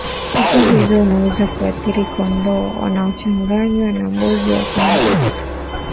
Hata hivyo unaweza kuathiri kondoo wanaochanganywa na mbuzi wagonjwa